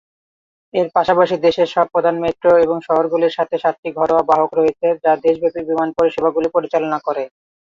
এর পাশাপাশি, দেশের সব প্রধান মেট্রো এবং শহরগুলির সাথে সাতটি ঘরোয়া বাহক রয়েছে যা দেশব্যাপী বিমান পরিষেবাগুলি পরিচালনা করে।